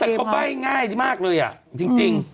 แต่เขาใบ้ง่ายมากเลยอ่ะจริง